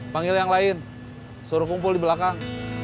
panggil yang lain suruh kumpul di belakang